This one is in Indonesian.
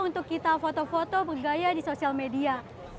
untuk kita foto foto bergaya di sosial media